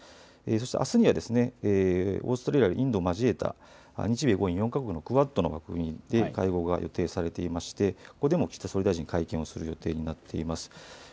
そして、あすにはオーストラリア、インドも交えた日米豪印４か国のクアッドの枠組み、会合が予定されていましてここでも岸田総理大臣、会見をする予定になっています。